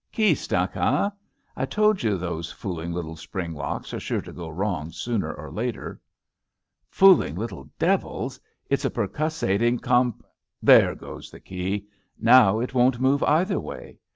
Key stuck, eh? I told you those fooling little spring locks are sure to go wrong sooner or later." Fooling little devils. It's a percussating comp There goes the key. Now it won't move either way.